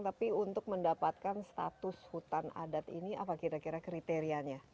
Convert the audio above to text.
tapi untuk mendapatkan status hutan adat ini apa kira kira kriterianya